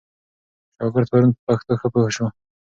شاګرد پرون په پښتو ښه پوه سو.